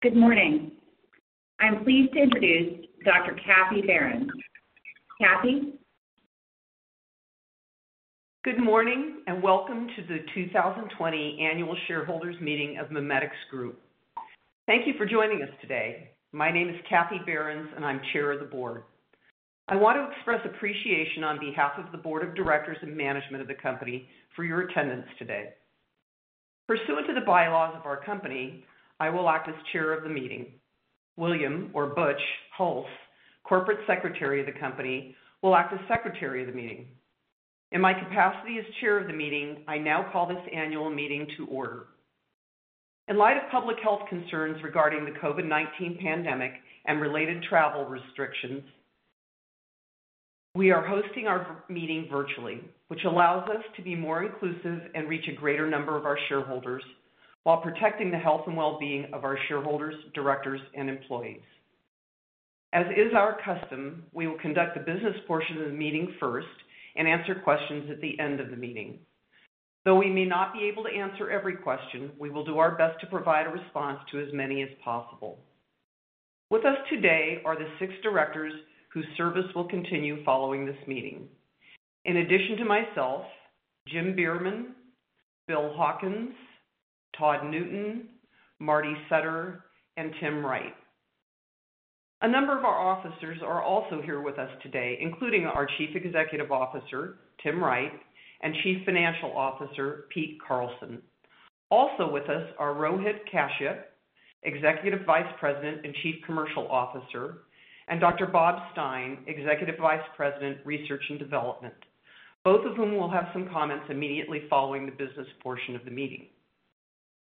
Good morning. I'm pleased to introduce Dr. Kathy Behrens. Kathy? Good morning, and welcome to the 2020 annual shareholders' meeting of MiMedx Group. Thank you for joining us today. My name is Kathy Behrens, and I'm Chair of the Board. I want to express appreciation on behalf of the Board of Directors and management of the company for your attendance today. Pursuant to the bylaws of our company, I will act as chair of the meeting. William or Butch Hulse, Corporate Secretary of the company, will act as secretary of the meeting. In my capacity as chair of the meeting, I now call this annual meeting to order. In light of public health concerns regarding the COVID-19 pandemic and related travel restrictions, we are hosting our meeting virtually, which allows us to be more inclusive and reach a greater number of our shareholders while protecting the health and wellbeing of our shareholders, directors, and employees. As is our custom, we will conduct the business portion of the meeting first and answer questions at the end of the meeting. Though we may not be able to answer every question, we will do our best to provide a response to as many as possible. With us today are the six directors whose service will continue following this meeting. In addition to myself, Jim Bierman, Bill Hawkins, Todd Newton, Marty Sutter, and Tim Wright. A number of our officers are also here with us today, including our Chief Executive Officer, Tim Wright, and Chief Financial Officer, Pete Carlson. Also with us are Rohit Kashyap, Executive Vice President and Chief Commercial Officer, and Dr. Bob Stein, Executive Vice President, Research and Development, both of whom will have some comments immediately following the business portion of the meeting.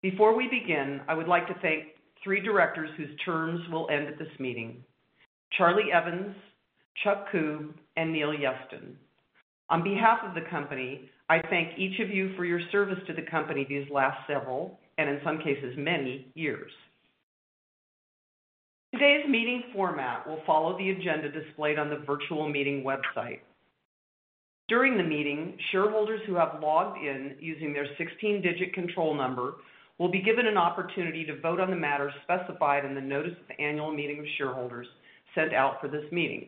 Before we begin, I would like to thank three directors whose terms will end at this meeting, Charlie Evans, Chuck Koob, and Neil Yeston. On behalf of the company, I thank each of you for your service to the company these last several, and in some cases, many years. Today's meeting format will follow the agenda displayed on the virtual meeting website. During the meeting, shareholders who have logged in using their 16-digit control number will be given an opportunity to vote on the matters specified in the notice of the annual meeting of shareholders sent out for this meeting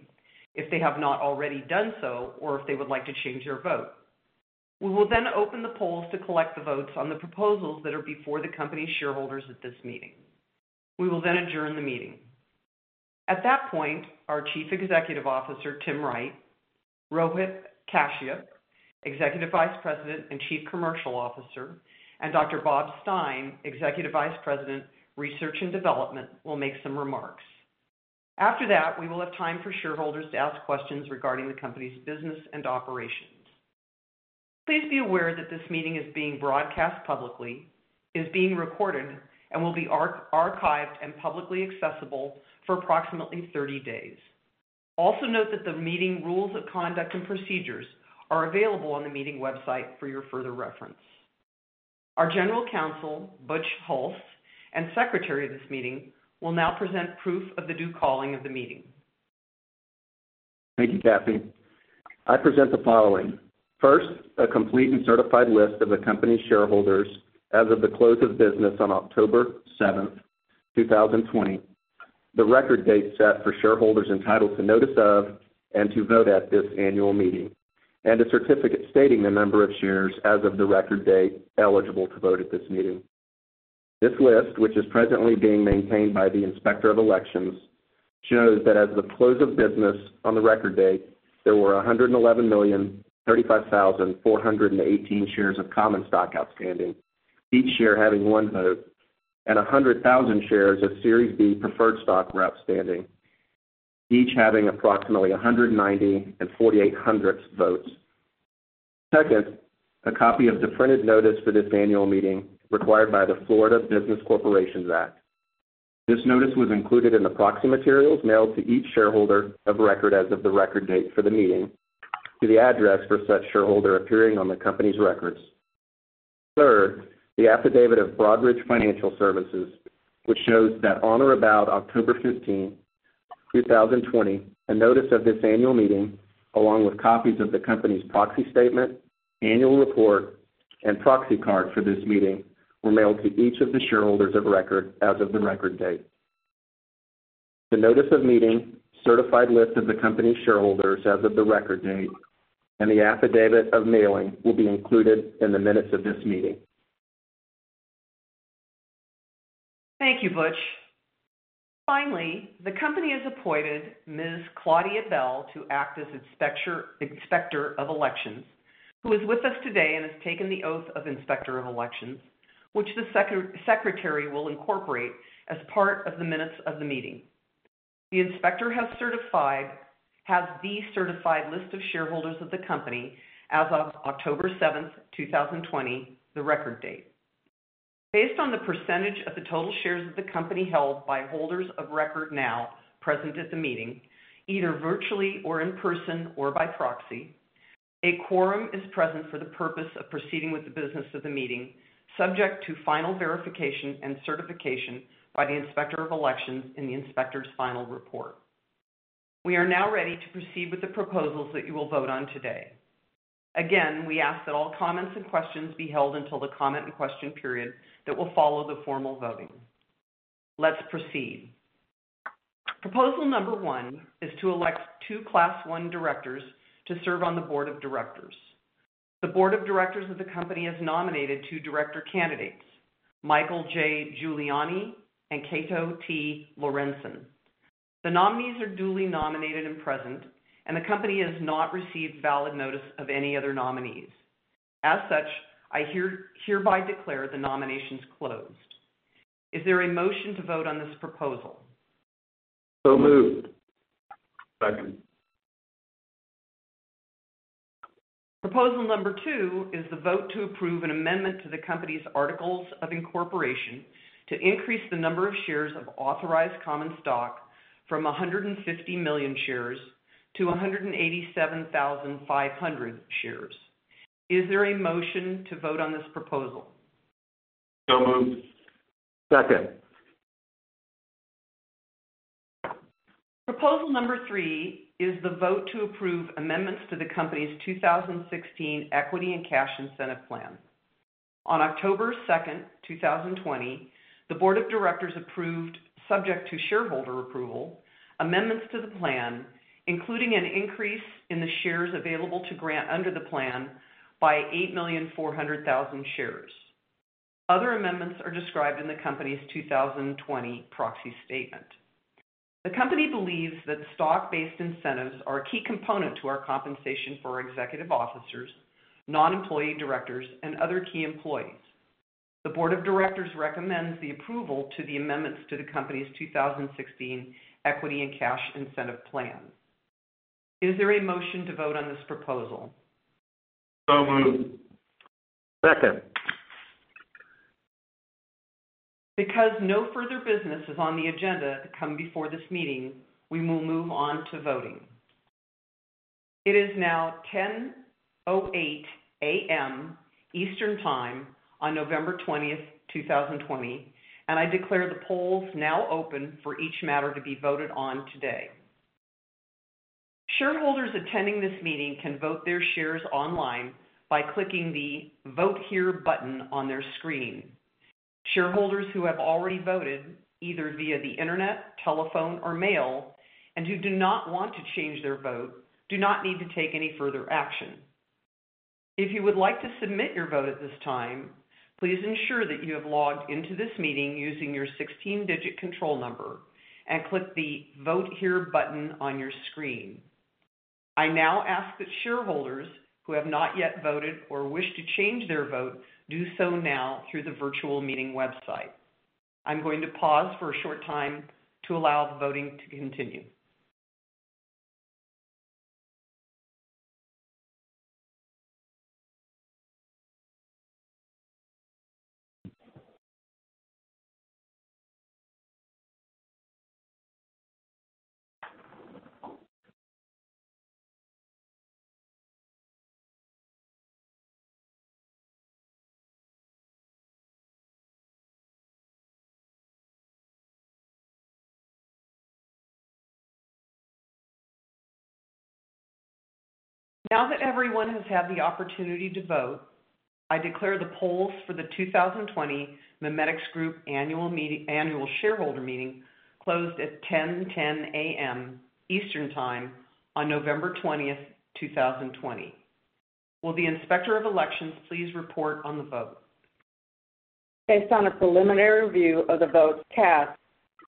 if they have not already done so or if they would like to change their vote. We will open the polls to collect the votes on the proposals that are before the company shareholders at this meeting. We will adjourn the meeting. At that point, our Chief Executive Officer, Tim Wright, Rohit Kashyap, Executive Vice President and Chief Commercial Officer, and Dr. Bob Stein, Executive Vice President, Research and Development, will make some remarks. After that, we will have time for shareholders to ask questions regarding the company's business and operations. Please be aware that this meeting is being broadcast publicly, is being recorded, and will be archived and publicly accessible for approximately 30 days. Also note that the meeting rules of conduct and procedures are available on the meeting website for your further reference. Our General Counsel, Butch Hulse, and secretary of this meeting will now present proof of the due calling of the meeting. Thank you, Kathy. I present the following. First, a complete and certified list of the company's shareholders as of the close of business on October 7th, 2020, the record date set for shareholders entitled to notice of and to vote at this annual meeting, and a certificate stating the number of shares as of the record date eligible to vote at this meeting. This list, which is presently being maintained by the Inspector of Elections, shows that as of the close of business on the record date, there were 111,035,418 shares of common stock outstanding, each share having one vote, and 100,000 shares of Series B preferred stock were outstanding, each having approximately 190.48 votes. Second, a copy of the printed notice for this annual meeting required by the Florida Business Corporation Act. This notice was included in the proxy materials mailed to each shareholder of record as of the record date for the meeting to the address for such shareholder appearing on the company's records. Third, the affidavit of Broadridge Financial Solutions, which shows that on or about October 15, 2020, a notice of this annual meeting, along with copies of the company's proxy statement, annual report, and proxy card for this meeting were mailed to each of the shareholders of record as of the record date. The notice of meeting, certified list of the company's shareholders as of the record date, and the affidavit of mailing will be included in the minutes of this meeting. Thank you, Butch. Finally, the company has appointed Ms. Claudia Bell to act as Inspector of Elections, who is with us today and has taken the oath of Inspector of Elections, which the Secretary will incorporate as part of the minutes of the meeting. The Inspector has the certified list of shareholders of the company as of October 7th, 2020, the record date. Based on the percentage of the total shares of the company held by holders of record now present at the meeting, either virtually or in person or by proxy, a quorum is present for the purpose of proceeding with the business of the meeting, subject to final verification and certification by the Inspector of Elections in the Inspector's final report. We are now ready to proceed with the proposals that you will vote on today. Again, we ask that all comments and questions be held until the comment and question period that will follow the formal voting. Let's proceed. Proposal number one is to elect two Class I directors to serve on the board of directors. The board of directors of the company has nominated two director candidates, Michael J. Giuliani and Cato T. Laurencin. The nominees are duly nominated and present, and the company has not received valid notice of any other nominees. As such, I hereby declare the nominations closed. Is there a motion to vote on this proposal? Moved. Second. Proposal number two is the vote to approve an amendment to the company's articles of incorporation to increase the number of shares of authorized common stock from 150 million shares to 187,500,000 shares. Is there a motion to vote on this proposal? Moved. Second. Proposal number three is the vote to approve amendments to the company's 2016 Equity and Cash Incentive Plan. On October 2nd, 2020, the Board of Directors approved, subject to shareholder approval, amendments to the plan, including an increase in the shares available to grant under the plan by 8,400,000 shares. Other amendments are described in the company's 2020 proxy statement. The company believes that stock-based incentives are a key component to our compensation for our executive officers, non-employee directors, and other key employees. The Board of Directors recommends the approval to the amendments to the company's 2016 Equity and Cash Incentive Plans. Is there a motion to vote on this proposal? Moved. Second. Because no further business is on the agenda to come before this meeting, we will move on to voting. It is now 10:08 A.M. Eastern Time on November 20th, 2020, and I declare the polls now open for each matter to be voted on today. Shareholders attending this meeting can vote their shares online by clicking the Vote Here button on their screen. Shareholders who have already voted, either via the internet, telephone, or mail, and who do not want to change their vote, do not need to take any further action. If you would like to submit your vote at this time, please ensure that you have logged into this meeting using your 16-digit control number and click the Vote Here button on your screen. I now ask that shareholders who have not yet voted or wish to change their vote do so now through the virtual meeting website. I'm going to pause for a short time to allow the voting to continue. Now that everyone has had the opportunity to vote, I declare the polls for the 2020 MiMedx Group Annual Shareholder Meeting closed at 10:10 A.M. Eastern Time on November 20th, 2020. Will the Inspector of Elections please report on the vote? Based on a preliminary review of the votes cast,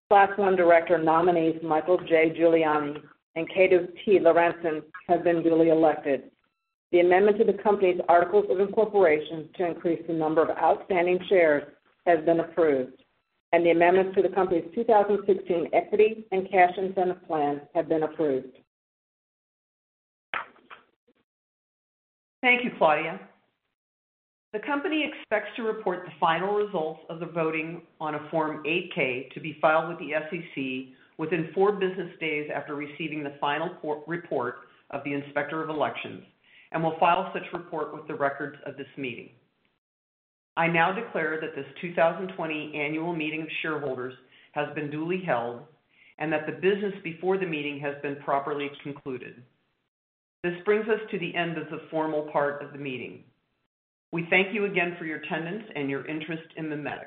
Class one director nominees Michael J. Giuliani and Cato T. Laurencin have been duly elected. The amendment to the company's articles of incorporation to increase the number of outstanding shares has been approved, and the amendments to the company's 2016 Equity and Cash Incentive Plan have been approved. Thank you, Claudia. The company expects to report the final results of the voting on a Form 8-K to be filed with the SEC within four business days after receiving the final report of the Inspector of Elections and will file such report with the records of this meeting. I now declare that this 2020 annual meeting of shareholders has been duly held, and that the business before the meeting has been properly concluded. This brings us to the end of the formal part of the meeting. We thank you again for your attendance and your interest in MiMedx.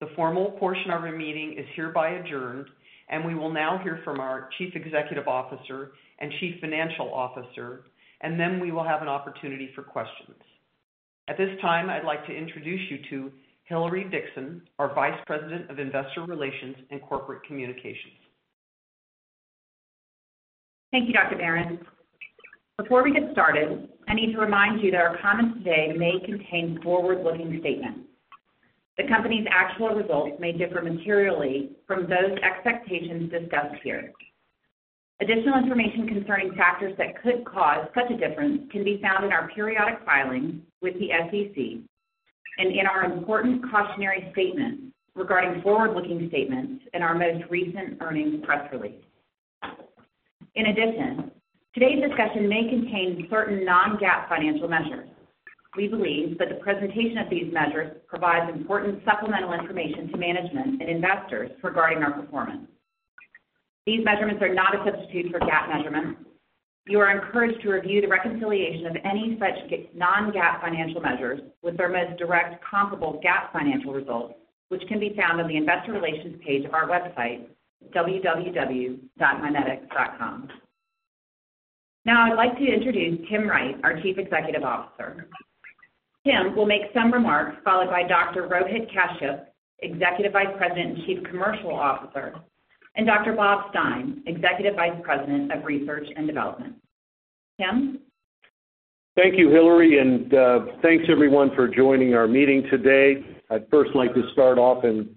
The formal portion of our meeting is hereby adjourned, and we will now hear from our Chief Executive Officer and Chief Financial Officer, and then we will have an opportunity for questions. At this time, I'd like to introduce you to Hilary Dixon, our Vice President of Investor Relations and Corporate Communications. Thank you, Dr. Behrens. Before we get started, I need to remind you that our comments today may contain forward-looking statements. The company's actual results may differ materially from those expectations discussed here. Additional information concerning factors that could cause such a difference can be found in our periodic filings with the SEC and in our important cautionary statements regarding forward-looking statements in our most recent earnings press release. In addition, today's discussion may contain certain non-GAAP financial measures. We believe that the presentation of these measures provides important supplemental information to management and investors regarding our performance. These measurements are not a substitute for GAAP measurements. You are encouraged to review the reconciliation of any such non-GAAP financial measures with MiMedx's direct comparable GAAP financial results, which can be found on the investor relations page of our website, www.mimedx.com. Now I'd like to introduce Tim Wright, our Chief Executive Officer. Tim will make some remarks, followed by Dr. Rohit Kashyap, Executive Vice President and Chief Commercial Officer, and Dr. Bob Stein, Executive Vice President of Research and Development. Tim? Thank you, Hilary, and thanks, everyone, for joining our meeting today. I'd first like to start off and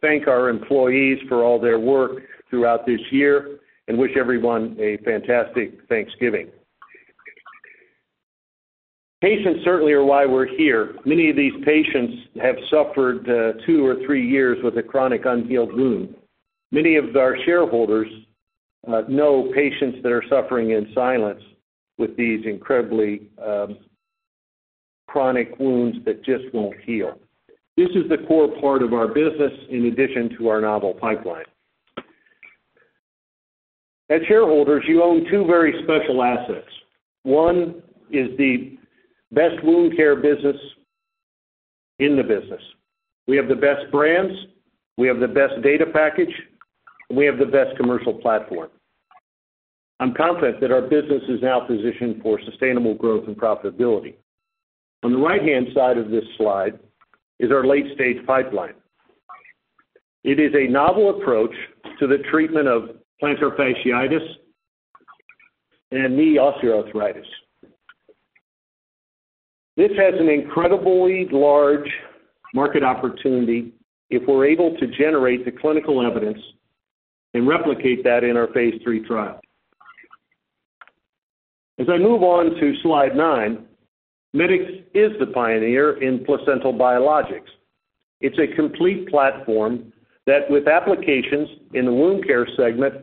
thank our employees for all their work throughout this year and wish everyone a fantastic Thanksgiving. Patients certainly are why we're here. Many of these patients have suffered two or three years with a chronic unhealed wound. Many of our shareholders know patients that are suffering in silence with these incredibly chronic wounds that just won't heal. This is the core part of our business, in addition to our novel pipeline. As shareholders, you own two very special assets. One is the best wound care business in the business. We have the best brands, we have the best data package, and we have the best commercial platform. I'm confident that our business is now positioned for sustainable growth and profitability. On the right-hand side of this slide is our late-stage pipeline. It is a novel approach to the treatment of plantar fasciitis and knee osteoarthritis. This has an incredibly large market opportunity if we're able to generate the clinical evidence and replicate that in our phase III trial. As I move on to slide nine, MiMedx is the pioneer in placental biologics. It's a complete platform that with applications in the wound care segment,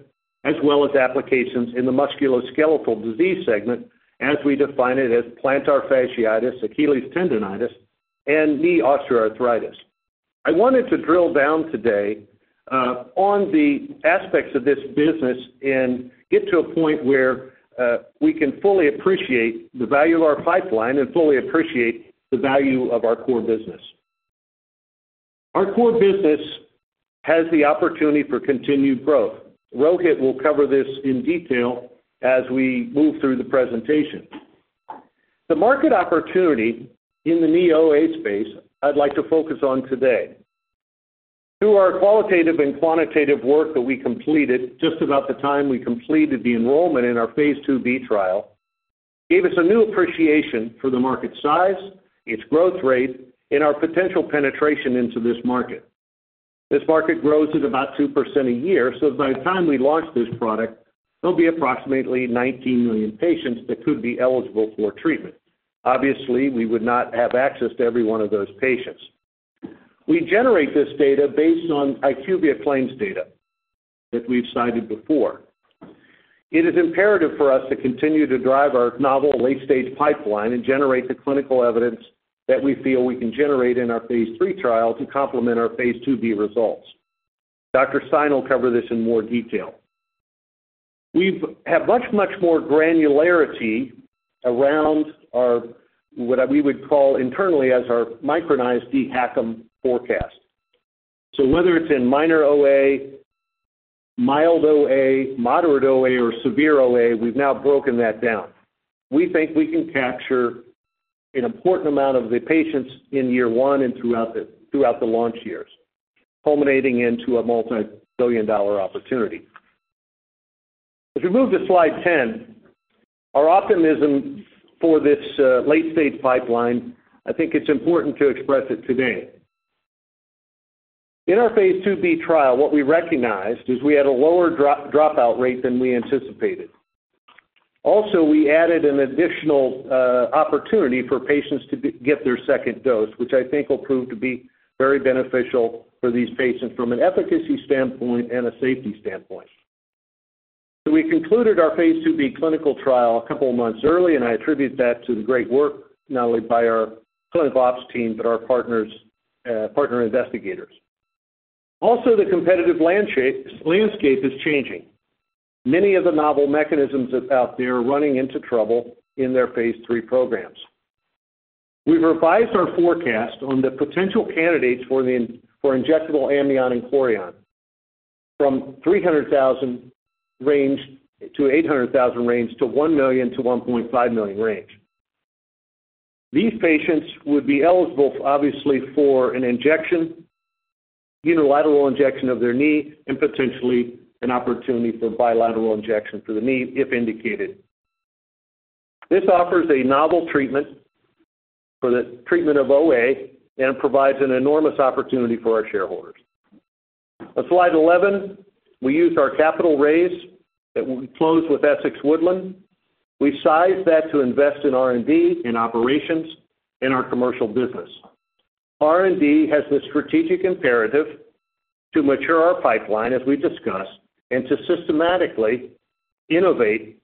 as well as applications in the musculoskeletal disease segment, as we define it, as plantar fasciitis, Achilles tendonitis, and knee osteoarthritis. I wanted to drill down today on the aspects of this business and get to a point where we can fully appreciate the value of our pipeline and fully appreciate the value of our core business. Our core business has the opportunity for continued growth. Rohit will cover this in detail as we move through the presentation. The market opportunity in the knee OA space, I'd like to focus on today. Through our qualitative and quantitative work that we completed just about the time we completed the enrollment in our phase IIb trial, gave us a new appreciation for the market size, its growth rate, and our potential penetration into this market. This market grows at about 2% a year. By the time we launch this product, there'll be approximately 19 million patients that could be eligible for treatment. Obviously, we would not have access to every one of those patients. We generate this data based on IQVIA claims data that we've cited before. It is imperative for us to continue to drive our novel late-stage pipeline and generate the clinical evidence that we feel we can generate in our phase III trial to complement our phase IIb results. Dr. Stein will cover this in more detail. We have much more granularity around what we would call internally as our micronized dHACM forecast. Whether it's in minor OA, mild OA, moderate OA, or severe OA, we've now broken that down. We think we can capture an important amount of the patients in year one and throughout the launch years, culminating into a multibillion-dollar opportunity. If you move to slide 10, our optimism for this late-stage pipeline, I think it's important to express it today. In our phase IIb trial, what we recognized is we had a lower dropout rate than we anticipated. We added an additional opportunity for patients to get their second dose, which I think will prove to be very beneficial for these patients from an efficacy standpoint and a safety standpoint. We concluded our phase IIb clinical trial a couple of months early, and I attribute that to the great work not only by our clinical ops team, but our partner investigators. Also, the competitive landscape is changing. Many of the novel mechanisms that are out there are running into trouble in their phase III programs. We've revised our forecast on the potential candidates for injectable amnion and chorion from 300,000 range to 800,000 range to 1 million-1.5 million range. These patients would be eligible, obviously, for an injection, unilateral injection of their knee, and potentially an opportunity for bilateral injection for the knee if indicated. This offers a novel treatment for the treatment of OA and provides an enormous opportunity for our shareholders. On slide 11, we used our capital raise that we closed with EW Healthcare Partners. We sized that to invest in R&D, in operations, in our commercial business. R&D has the strategic imperative to mature our pipeline as we discussed, and to systematically innovate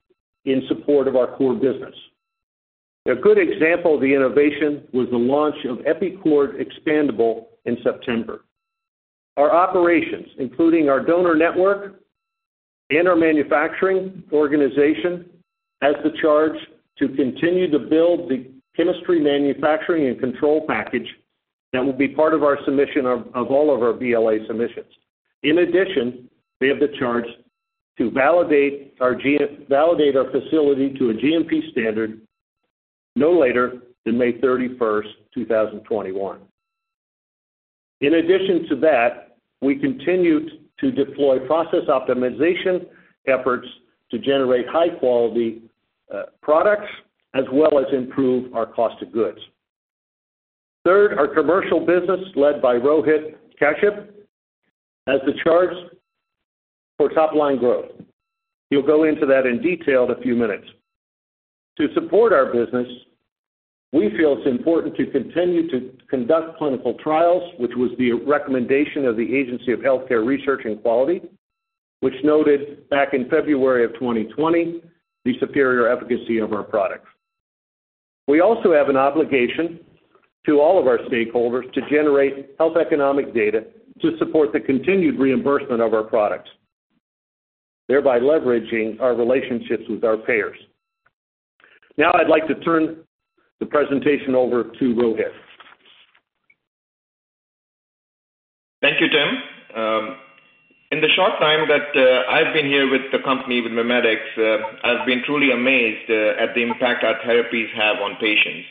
in support of our core business. A good example of the innovation was the launch of EpiCord Expandable in September. Our operations, including our donor network and our manufacturing organization, has the charge to continue to build the chemistry, manufacturing, and control package that will be part of our submission of all of our BLA submissions. In addition, we have the charge to validate our facility to a GMP standard no later than May 31st, 2021. In addition to that, we continue to deploy process optimization efforts to generate high-quality products as well as improve our cost of goods. Third, our commercial business led by Rohit Kashyap has the charge for top-line growth. He'll go into that in detail in a few minutes. To support our business, we feel it's important to continue to conduct clinical trials, which was the recommendation of the Agency for Healthcare Research and Quality, which noted back in February of 2020, the superior efficacy of our products. We also have an obligation to all of our stakeholders to generate health economic data to support the continued reimbursement of our products, thereby leveraging our relationships with our payers. Now I'd like to turn the presentation over to Rohit. Thank you, Tim. In the short time that I've been here with the company, with MiMedx, I've been truly amazed at the impact our therapies have on patients.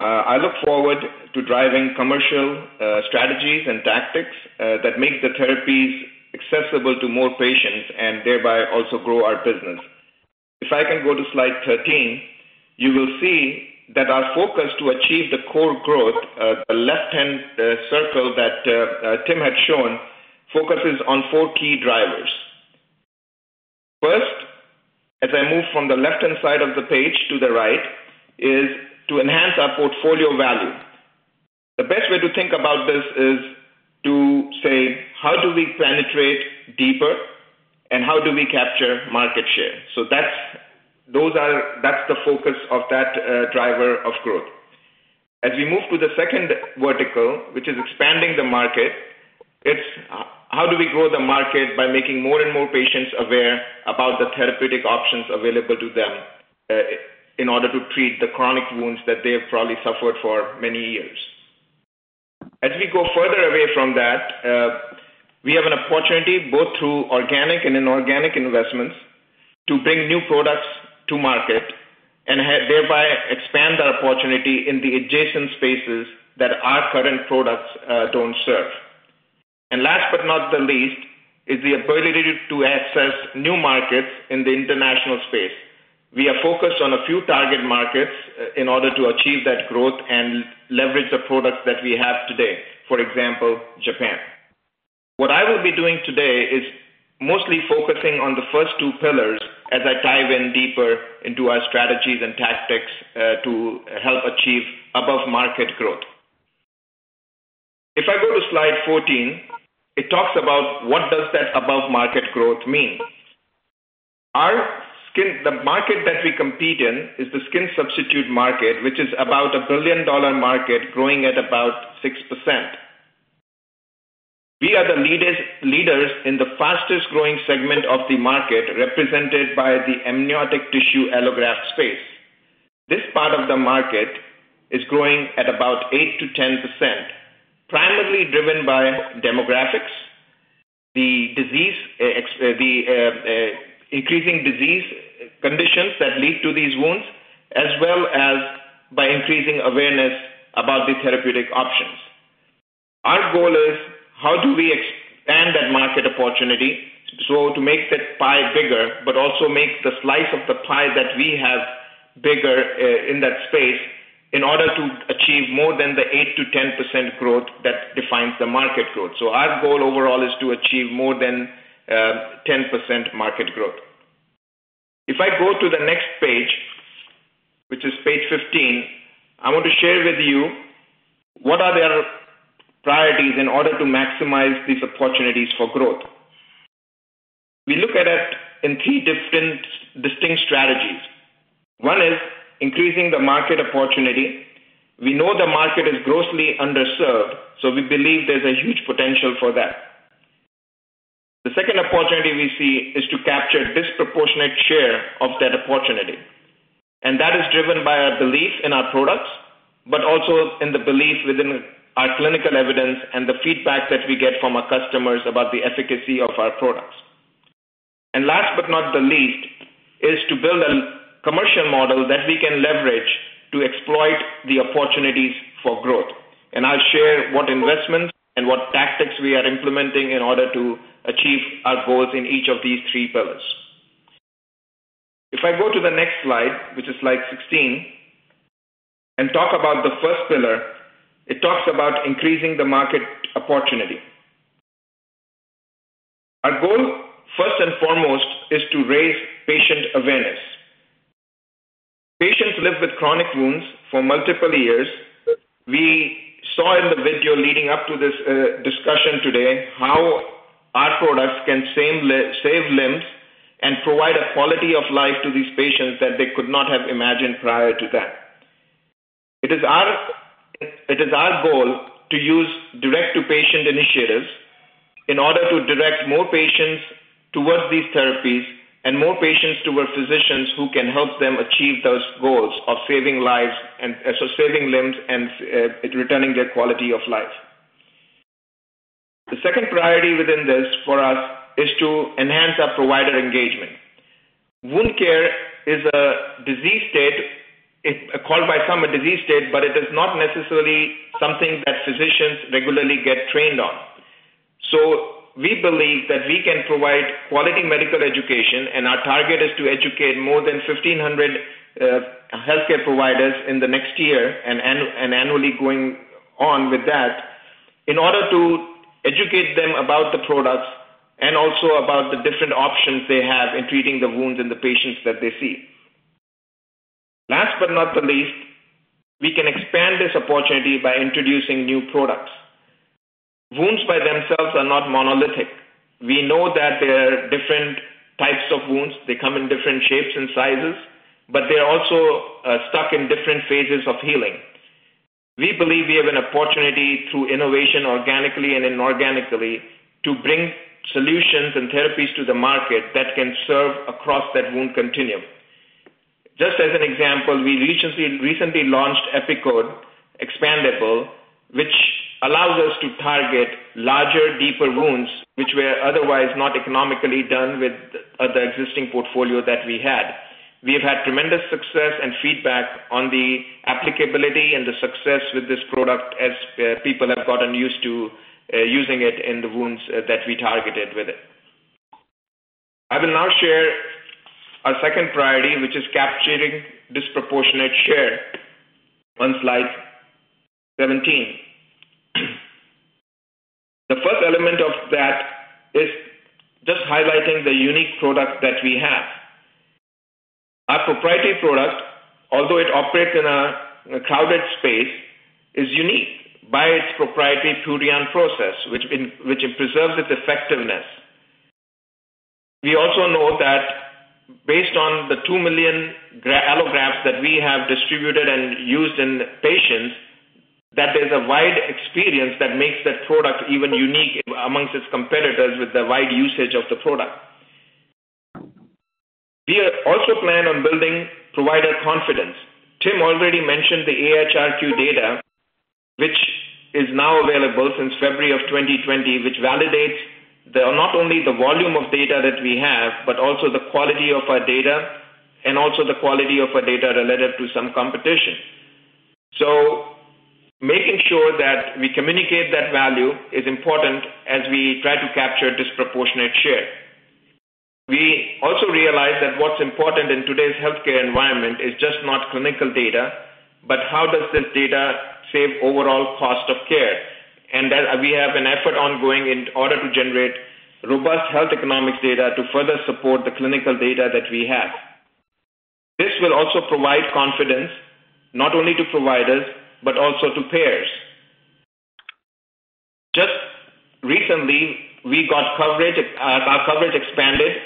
I look forward to driving commercial strategies and tactics that make the therapies accessible to more patients and thereby also grow our business. If I can go to slide 13, you will see that our focus to achieve the core growth, the left-hand circle that Tim had shown, focuses on four key drivers. First, as I move from the left-hand side of the page to the right, is to enhance our portfolio value. The best way to think about this is to say, how do we penetrate deeper, and how do we capture market share? That's the focus of that driver of growth. As we move to the second vertical, which is expanding the market, it's how do we grow the market by making more and more patients aware about the therapeutic options available to them in order to treat the chronic wounds that they have probably suffered for many years. As we go further away from that, we have an opportunity both through organic and inorganic investments to bring new products to market and thereby expand our opportunity in the adjacent spaces that our current products don't serve. Last but not the least, is the ability to access new markets in the international space. We are focused on a few target markets in order to achieve that growth and leverage the products that we have today, for example, Japan. What I will be doing today is mostly focusing on the first two pillars as I dive in deeper into our strategies and tactics to help achieve above-market growth. If I go to slide 14, it talks about what does that above-market growth mean. The market that we compete in is the skin substitute market, which is about a billion-dollar market growing at about 6%. We are the leaders in the fastest-growing segment of the market represented by the amniotic tissue allograft space. This part of the market is growing at about 8%-10%, primarily driven by demographics, the increasing disease conditions that lead to these wounds, as well as by increasing awareness about the therapeutic options. Our goal is how do we expand that market opportunity so to make that pie bigger, but also make the slice of the pie that we have bigger in that space in order to achieve more than the 8%-10% growth that defines the market growth. Our goal overall is to achieve more than 10% market growth. If I go to the next page, which is page 15, I want to share with you what are the priorities in order to maximize these opportunities for growth. We look at it in three distinct strategies. One is increasing the market opportunity. We know the market is grossly underserved, so we believe there's a huge potential for that. The second opportunity we see is to capture disproportionate share of that opportunity. That is driven by our belief in our products, but also in the belief within our clinical evidence and the feedback that we get from our customers about the efficacy of our products. Last but not the least, is to build a commercial model that we can leverage to exploit the opportunities for growth. I'll share what investments and what tactics we are implementing in order to achieve our goals in each of these three pillars. If I go to the next slide, which is slide 16, and talk about the first pillar, it talks about increasing the market opportunity. Our goal, first and foremost, is to raise patient awareness. Patients live with chronic wounds for multiple years. We saw in the video leading up to this discussion today how our products can save limbs and provide a quality of life to these patients that they could not have imagined prior to that. It is our goal to use direct-to-patient initiatives in order to direct more patients towards these therapies and more patients towards physicians who can help them achieve those goals of saving limbs and returning their quality of life. The second priority within this for us is to enhance our provider engagement. Wound care is called by some a disease state, but it is not necessarily something that physicians regularly get trained on. We believe that we can provide quality medical education, and our target is to educate more than 1,500 healthcare providers in the next year, and annually going on with that, in order to educate them about the products and also about the different options they have in treating the wounds in the patients that they see. Last but not the least, we can expand this opportunity by introducing new products. Wounds by themselves are not monolithic. We know that there are different types of wounds. They come in different shapes and sizes, but they're also stuck in different phases of healing. We believe we have an opportunity through innovation, organically and inorganically, to bring solutions and therapies to the market that can serve across that wound continuum. Just as an example, we recently launched EpiCord Expandable, which allows us to target larger, deeper wounds, which were otherwise not economically done with the existing portfolio that we had. We have had tremendous success and feedback on the applicability and the success with this product as people have gotten used to using it in the wounds that we targeted with it. I will now share our second priority, which is capturing disproportionate share on slide 17. The first element of that is just highlighting the unique product that we have. Our proprietary product, although it operates in a crowded space, is unique by its proprietary PURION process, which preserves its effectiveness. We also know that based on the 2 million allografts that we have distributed and used in patients, that there's a wide experience that makes that product even unique amongst its competitors with the wide usage of the product. We also plan on building provider confidence. Tim already mentioned the AHRQ data, which is now available since February of 2020, which validates not only the volume of data that we have, but also the quality of our data and also the quality of our data related to some competition. Making sure that we communicate that value is important as we try to capture disproportionate share. We also realize that what's important in today's healthcare environment is just not clinical data, but how does this data save overall cost of care? That we have an effort ongoing in order to generate robust health economics data to further support the clinical data that we have. This will also provide confidence not only to providers but also to payers. Just recently, we got our coverage expanded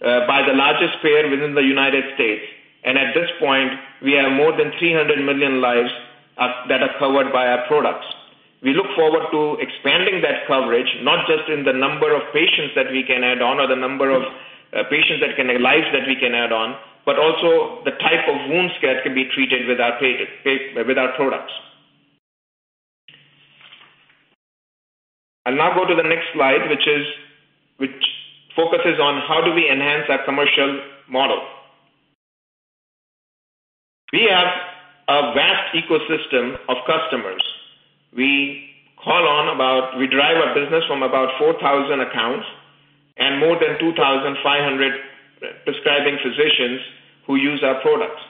by the largest payer within the U.S. At this point, we have more than 300 million lives that are covered by our products. We look forward to expanding that coverage, not just in the number of patients that we can add on or the number of lives that we can add on, but also the type of wound that can be treated with our products. I'll now go to the next slide, which focuses on how do we enhance our commercial model. We have a vast ecosystem of customers. We drive our business from about 4,000 accounts and more than 2,500 prescribing physicians who use our products.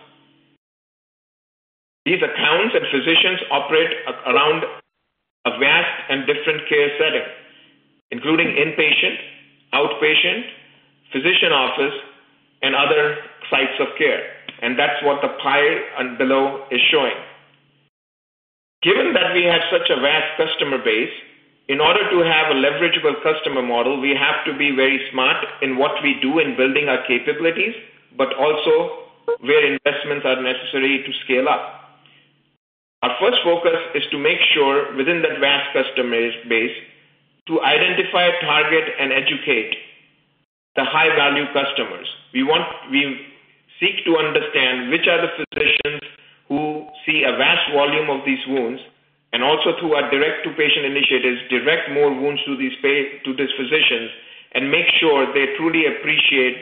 These accounts and physicians operate around a vast and different care setting, including inpatient, outpatient, physician office, and other sites of care. That's what the pie below is showing. Given that we have such a vast customer base, in order to have a leverageable customer model, we have to be very smart in what we do in building our capabilities, but also where investments are necessary to scale up. Our first focus is to make sure within that vast customer base to identify, target, and educate the high-value customers. We seek to understand which are the physicians who see a vast volume of these wounds, and also through our direct-to-patient initiatives, direct more wounds to these physicians and make sure they truly appreciate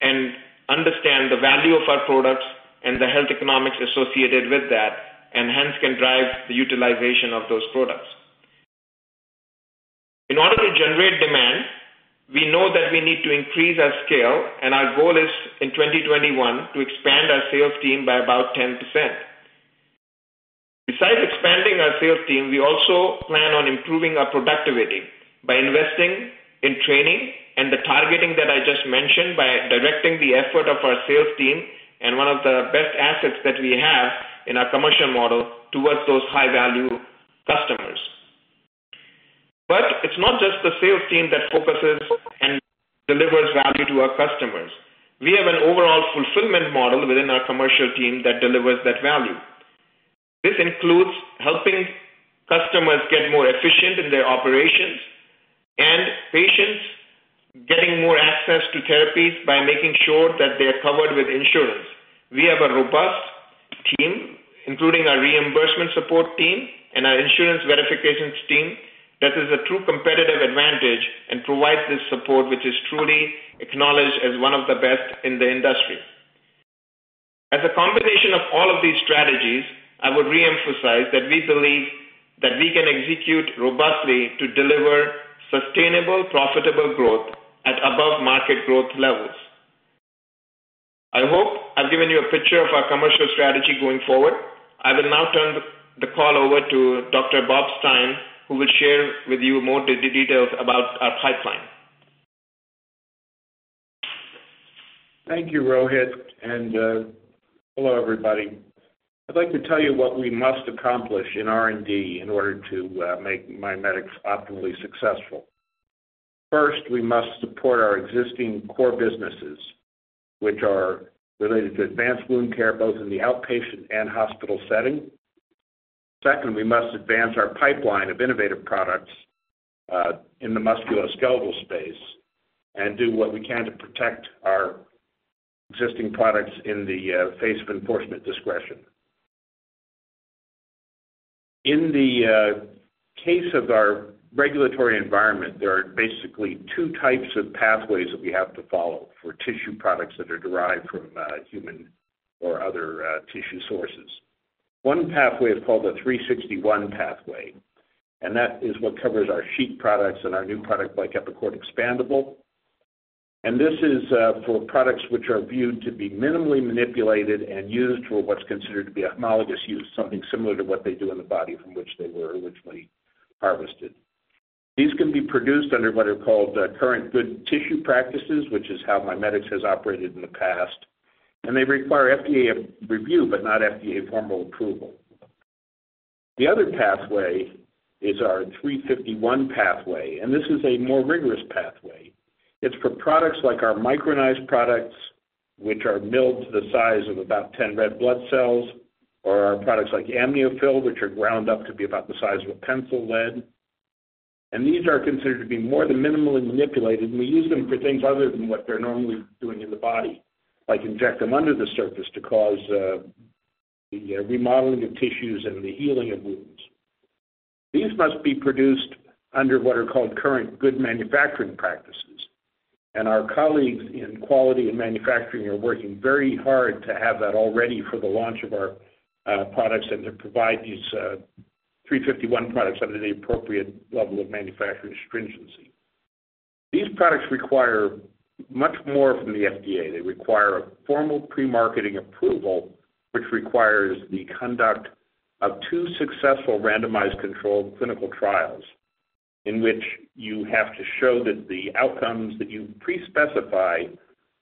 and understand the value of our products and the health economics associated with that, and hence can drive the utilization of those products. Our goal is in 2021 to expand our sales team by about 10%. Besides expanding our sales team, we also plan on improving our productivity by investing in training and the targeting that I just mentioned by directing the effort of our sales team and one of the best assets that we have in our commercial model towards those high-value customers. It's not just the sales team that focuses and delivers value to our customers. We have an overall fulfillment model within our commercial team that delivers that value. This includes helping customers get more efficient in their operations and patients getting more access to therapies by making sure that they are covered with insurance. We have a robust team, including our reimbursement support team and our insurance verifications team that is a true competitive advantage and provides this support, which is truly acknowledged as one of the best in the industry. As a combination of all of these strategies, I would reemphasize that we believe that we can execute robustly to deliver sustainable, profitable growth at above market growth levels. I hope I've given you a picture of our commercial strategy going forward. I will now turn the call over to Dr. Bob Stein, who will share with you more details about our pipeline. Thank you, Rohit, and hello, everybody. I'd like to tell you what we must accomplish in R&D in order to make MiMedx optimally successful. First, we must support our existing core businesses, which are related to advanced wound care, both in the outpatient and hospital setting. Second, we must advance our pipeline of innovative products, in the musculoskeletal space and do what we can to protect our existing products in the face of enforcement discretion. In the case of our regulatory environment, there are basically two types of pathways that we have to follow for tissue products that are derived from human or other tissue sources. One pathway is called a 361 pathway, and that is what covers our sheet products and our new product, like EpiCord Expandable. This is for products which are viewed to be minimally manipulated and used for what's considered to be homologous use, something similar to what they do in the body from which they were originally harvested. These can be produced under what are called current good tissue practices, which is how MiMedx has operated in the past, and they require FDA review, but not FDA formal approval. The other pathway is our 351 pathway, and this is a more rigorous pathway. It's for products like our micronized products, which are milled to the size of about 10 red blood cells, or our products like AmnioFill, which are ground up to be about the size of a pencil lead. These are considered to be more than minimally manipulated, we use them for things other than what they're normally doing in the body, like inject them under the surface to cause the remodeling of tissues and the healing of wounds. These must be produced under what are called current good manufacturing practices, and our colleagues in quality and manufacturing are working very hard to have that all ready for the launch of our products and to provide these 351 products under the appropriate level of manufacturing stringency. These products require much more from the FDA. They require a formal pre-marketing approval, which requires the conduct of two successful randomized controlled clinical trials in which you have to show that the outcomes that you pre-specify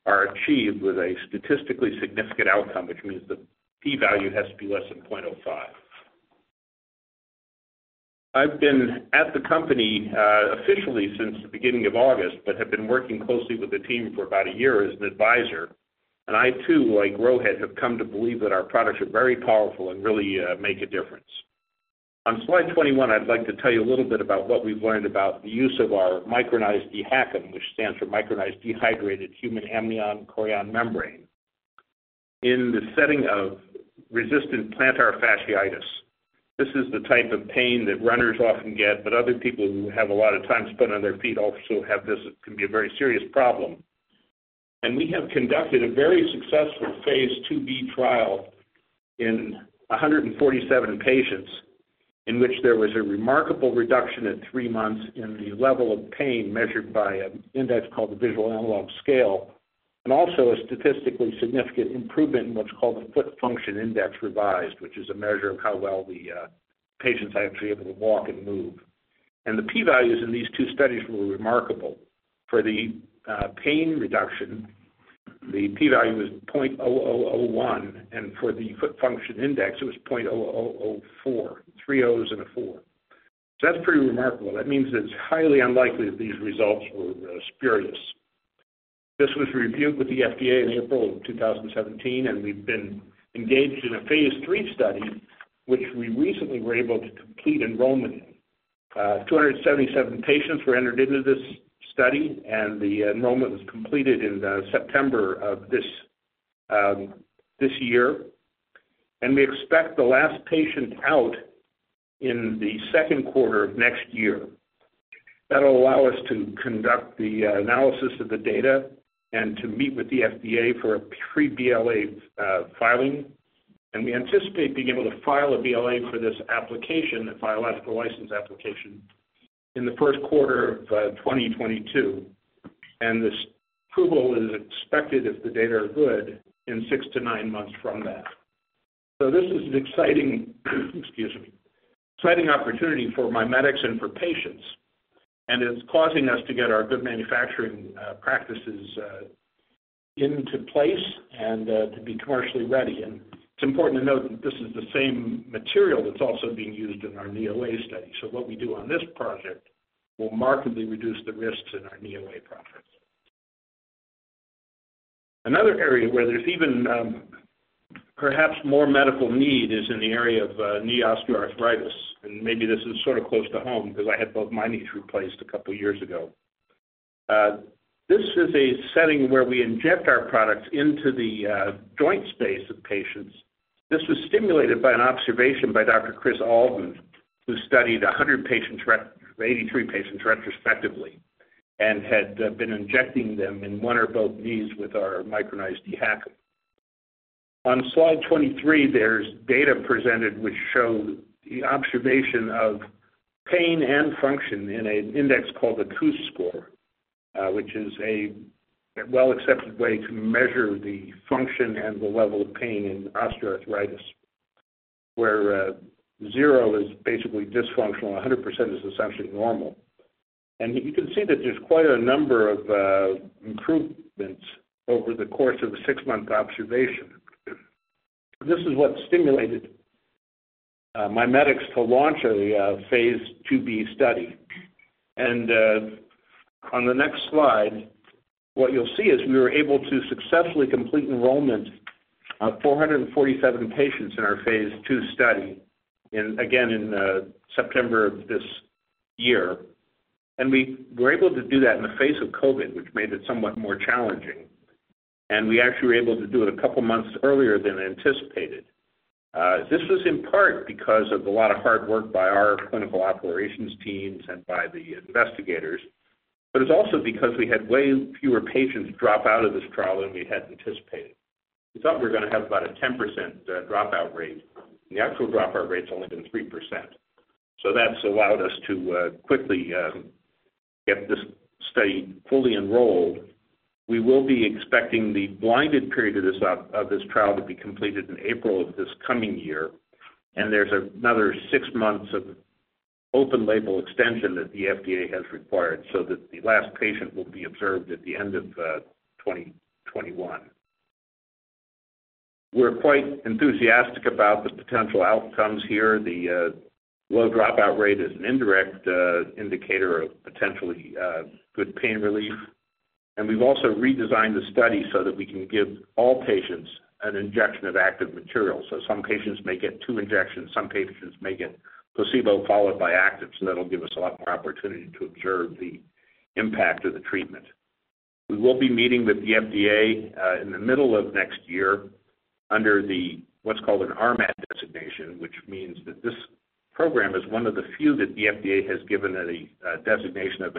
are achieved with a statistically significant outcome, which means the p-value has to be less than 0.05. I've been at the company officially since the beginning of August, but have been working closely with the team for about a year as an advisor. I too, like Rohit, have come to believe that our products are very powerful and really make a difference. On slide 21, I'd like to tell you a little bit about what we've learned about the use of our micronized dHACM, which stands for micronized dehydrated human amnion/chorion membrane. In the setting of resistant plantar fasciitis. This is the type of pain that runners often get, but other people who have a lot of time spent on their feet also have this. It can be a very serious problem. We have conducted a very successful phase IIb trial in 147 patients in which there was a remarkable reduction at 3 months in the level of pain measured by an index called the Visual Analog Scale, and also a statistically significant improvement in what's called the Foot Function Index Revised, which is a measure of how well the patients are actually able to walk and move. The p-values in these two studies were remarkable. For the pain reduction, the p-value was 0.0001, and for the Foot Function Index, it was 0.0004. Three O's and a four. That's pretty remarkable. That means it's highly unlikely that these results were spurious. This was reviewed with the FDA in April of 2017, and we've been engaged in a phase III study, which we recently were able to complete enrollment in. 277 patients were entered into this study. The enrollment was completed in September of this year. We expect the last patient out in the second quarter of next year. That'll allow us to conduct the analysis of the data and to meet with the FDA for a pre-BLA filing. We anticipate being able to file a BLA for this application, a Biologics License Application, in the first quarter of 2022. This approval is expected, if the data are good, in six to nine months from that. This is an exciting opportunity for MiMedx and for patients, and it's causing us to get our Good Manufacturing Practices into place and to be commercially ready. It's important to note that this is the same material that's also being used in our knee OA study. What we do on this project will markedly reduce the risks in our knee OA project. Another area where there's even perhaps more medical need is in the area of knee osteoarthritis, and maybe this is sort of close to home because I had both my knees replaced a couple of years ago. This is a setting where we inject our products into the joint space of patients. This was stimulated by an observation by Dr. Kris Alden, who studied 83 patients retrospectively and had been injecting them in one or both knees with our micronized dHACM. On slide 23, there's data presented which show the observation of pain and function in an index called the KOOS score, which is a well-accepted way to measure the function and the level of pain in osteoarthritis, where zero is basically dysfunctional, 100% is essentially normal. You can see that there's quite a number of improvements over the course of a six-month observation. This is what stimulated MiMedx to launch a phase IIb study. On the next slide, what you'll see is we were able to successfully complete enrollment of 447 patients in our phase II study, again, in September of this year. We were able to do that in the face of COVID, which made it somewhat more challenging. We actually were able to do it a couple months earlier than anticipated. This was in part because of a lot of hard work by our clinical operations teams and by the investigators. It's also because we had way fewer patients drop out of this trial than we had anticipated. We thought we were going to have about a 10% dropout rate. The actual dropout rate's only been 3%. That's allowed us to quickly get this study fully enrolled. We will be expecting the blinded period of this trial to be completed in April of this coming year, and there's another six months of open label extension that the FDA has required so that the last patient will be observed at the end of 2021. We're quite enthusiastic about the potential outcomes here. The low dropout rate is an indirect indicator of potentially good pain relief. We've also redesigned the study so that we can give all patients an injection of active material. Some patients may get two injections, some patients may get placebo followed by active, so that'll give us a lot more opportunity to observe the impact of the treatment. We will be meeting with the FDA in the middle of next year under what's called an RMAT designation, which means that this program is one of the few that the FDA has given a designation of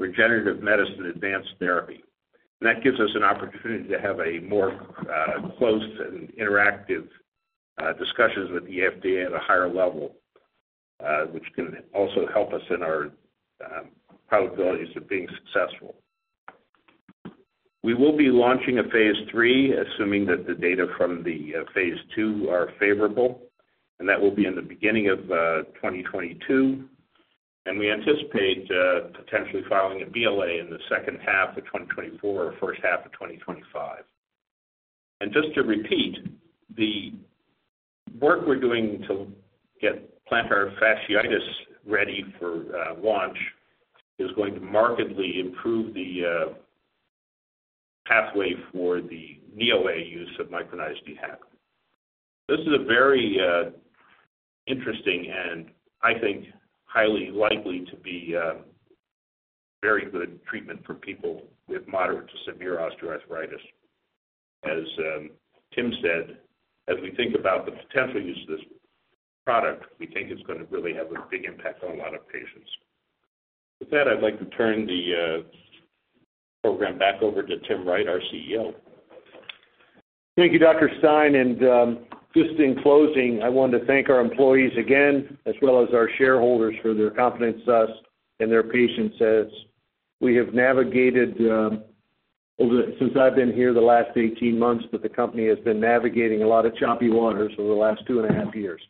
a regenerative medicine advanced therapy. That gives us an opportunity to have a more close and interactive discussions with the FDA at a higher level, which can also help us in our probabilities of being successful. We will be launching a Phase III, assuming that the data from the Phase II are favorable, and that will be in the beginning of 2022. We anticipate potentially filing a BLA in the second half of 2024 or first half of 2025. Just to repeat, the work we're doing to get plantar fasciitis ready for launch is going to markedly improve the pathway for the knee OA use of micronized dHACM. This is a very interesting and I think highly likely to be a very good treatment for people with moderate to severe osteoarthritis. Tim said, as we think about the potential use of this product, we think it's going to really have a big impact on a lot of patients. With that, I'd like to turn the program back over to Tim Wright, our CEO. Thank you, Dr. Stein. Just in closing, I wanted to thank our employees again, as well as our shareholders for their confidence in us and their patience as we have navigated, since I've been here the last 18 months, but the company has been navigating a lot of choppy waters over the last two and a half years.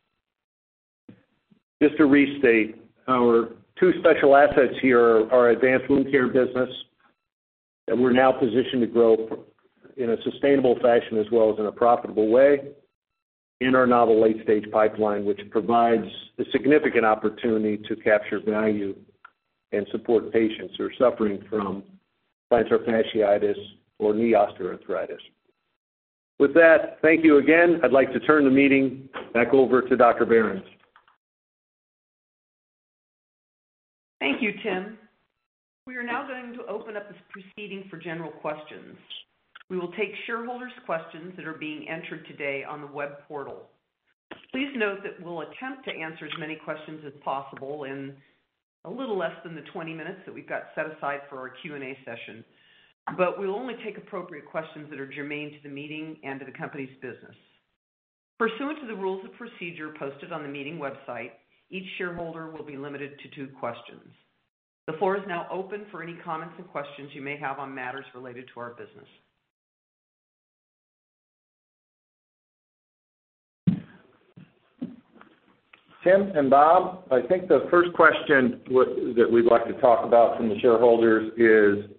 Just to restate, our two special assets here are our advanced wound care business, that we're now positioned to grow in a sustainable fashion as well as in a profitable way, and our novel late-stage pipeline, which provides a significant opportunity to capture value and support patients who are suffering from plantar fasciitis or knee osteoarthritis. With that, thank you again. I'd like to turn the meeting back over to Dr. Behrens. Thank you, Tim. We are now going to open up this proceeding for general questions. We will take shareholders' questions that are being entered today on the web portal. Please note that we'll attempt to answer as many questions as possible in a little less than the 20 minutes that we've got set aside for our Q&A session. We'll only take appropriate questions that are germane to the meeting and to the company's business. Pursuant to the rules of procedure posted on the meeting website, each shareholder will be limited to two questions. The floor is now open for any comments and questions you may have on matters related to our business. Tim and Bob, I think the first question that we'd like to talk about from the shareholders is,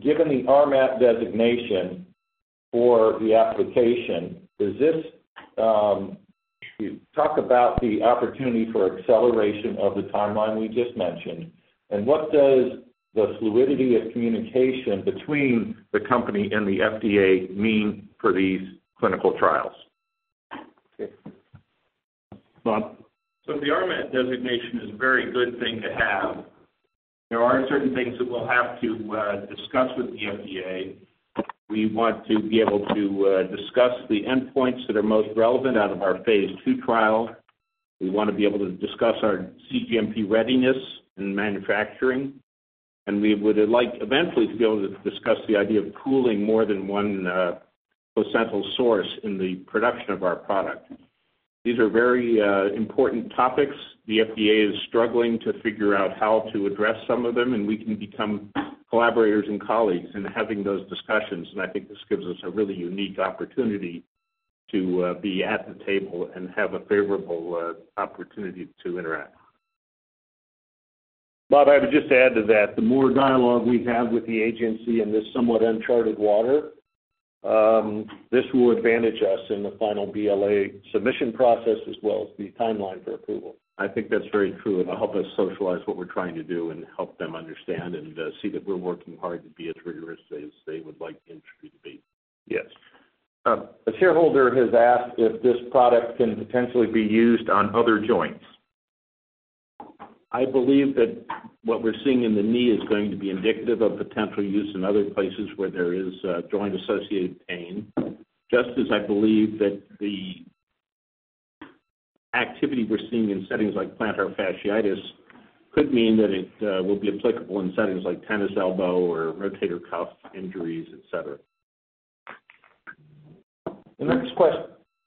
given the RMAT designation for the application, talk about the opportunity for acceleration of the timeline we just mentioned, and what does the fluidity of communication between the company and the FDA mean for these clinical trials? Bob. The RMAT designation is a very good thing to have. There are certain things that we'll have to discuss with the FDA. We want to be able to discuss the endpoints that are most relevant out of our phase II trial. We want to be able to discuss our cGMP readiness and manufacturing, and we would like eventually to be able to discuss the idea of pooling more than one placental source in the production of our product. These are very important topics. The FDA is struggling to figure out how to address some of them, and we can become collaborators and colleagues in having those discussions. I think this gives us a really unique opportunity to be at the table and have a favorable opportunity to interact. Bob, I would just add to that. The more dialogue we have with the agency in this somewhat uncharted water, this will advantage us in the final BLA submission process as well as the timeline for approval. I think that's very true. It'll help us socialize what we're trying to do and help them understand and see that we're working hard to be as rigorous as they would like the industry to be. Yes. A shareholder has asked if this product can potentially be used on other joints. I believe that what we're seeing in the knee is going to be indicative of potential use in other places where there is joint-associated pain. Just as I believe that the activity we're seeing in settings like plantar fasciitis could mean that it will be applicable in settings like tennis elbow or rotator cuff injuries, et cetera. The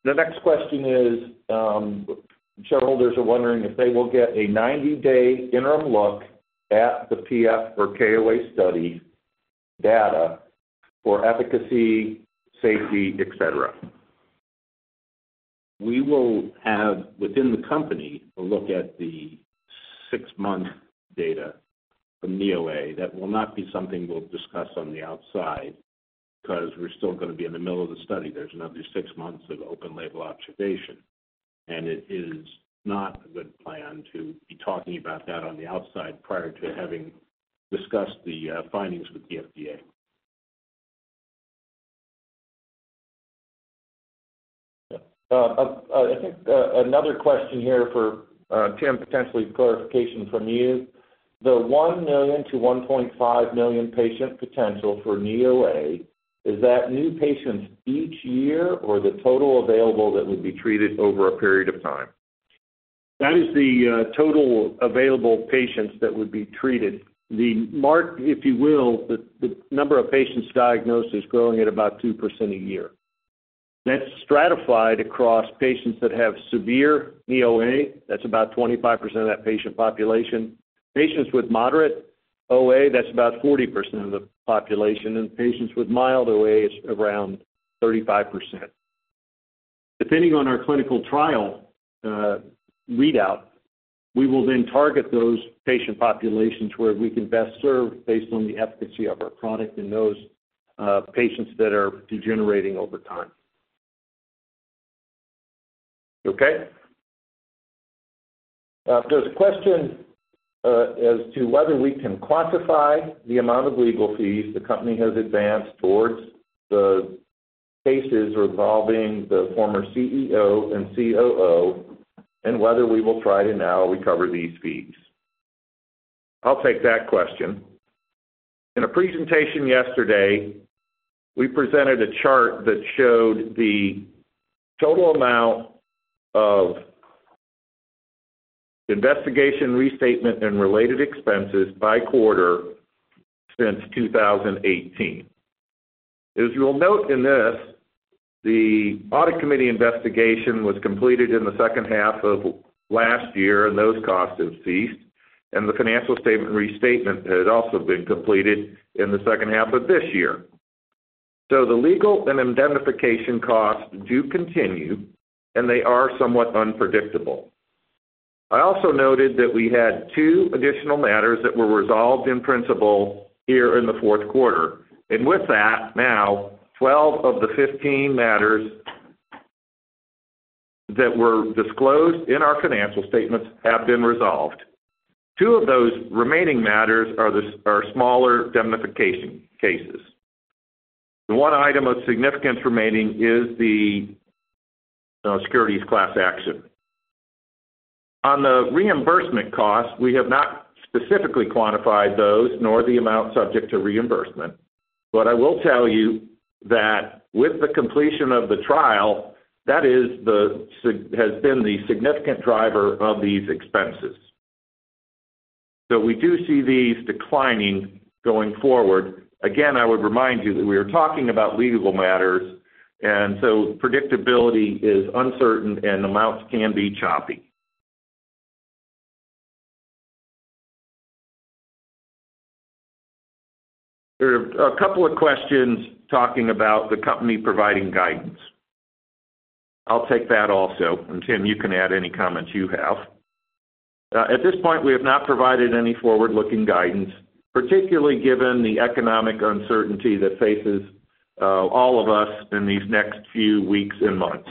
next question is, shareholders are wondering if they will get a 90-day interim look at the PF or KOA study data for efficacy, safety, et cetera. We will have, within the company, a look at the six-month data from knee OA. That will not be something we'll discuss on the outside because we're still going to be in the middle of the study. There's another six months of open label observation. It is not a good plan to be talking about that on the outside prior to having discussed the findings with the FDA. I think another question here for Tim, potentially for clarification from you. The 1 million-1.5 million patient potential for knee OA, is that new patients each year or the total available that would be treated over a period of time? That is the total available patients that would be treated. The mark, if you will, the number of patients diagnosed is growing at about 2% a year. That's stratified across patients that have severe knee OA. That's about 25% of that patient population. Patients with moderate OA, that's about 40% of the population, and patients with mild OA is around 35%. Depending on our clinical trial readout, we will then target those patient populations where we can best serve based on the efficacy of our product in those patients that are degenerating over time. Okay. There's a question as to whether we can quantify the amount of legal fees the company has advanced towards the cases involving the former CEO and COO, and whether we will try to now recover these fees. I'll take that question. In a presentation yesterday, we presented a chart that showed the total amount of investigation, restatement, and related expenses by quarter since 2018. As you'll note in this, the audit committee investigation was completed in the second half of last year, and those costs have ceased, and the financial statement restatement had also been completed in the second half of this year. The legal and indemnification costs do continue, and they are somewhat unpredictable. I also noted that we had two additional matters that were resolved in principle here in the fourth quarter. With that, now 12 of the 15 matters that were disclosed in our financial statements have been resolved. Two of those remaining matters are smaller indemnification cases. The one item of significance remaining is the securities class action. On the reimbursement costs, we have not specifically quantified those nor the amount subject to reimbursement. I will tell you that with the completion of the trial, that has been the significant driver of these expenses. We do see these declining going forward. Again, I would remind you that we are talking about legal matters, and so predictability is uncertain and amounts can be choppy. There are a couple of questions talking about the company providing guidance. I'll take that also. Tim, you can add any comments you have. At this point, we have not provided any forward-looking guidance, particularly given the economic uncertainty that faces all of us in these next few weeks and months.